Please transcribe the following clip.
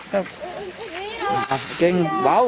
นี่เห็นจริงตอนนี้ต้องซื้อ๖วัน